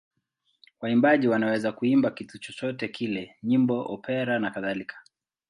Waimbaji wanaweza kuimba kitu chochote kile: nyimbo, opera nakadhalika.